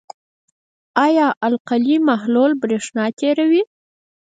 آیا د القلي محلول برېښنا تیروي؟